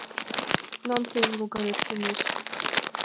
Кунам тыйын логарет темеш?!